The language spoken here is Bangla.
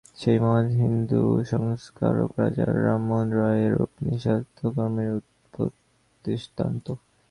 সেই মহান হিন্দু সংস্কারক রাজা রামমোহন রায় এইরূপ নিঃস্বার্থ কর্মের অদ্ভুত দৃষ্টান্ত।